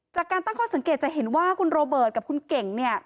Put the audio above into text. จากการตั้งข้อสังเกตจะเห็นว่าคุณโรเบิร์ตกับคุณเก่งเนี่ย